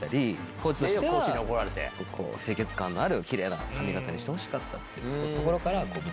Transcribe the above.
コーチとしては清潔感のあるキレイな髪形にしてほしかったっていうところから。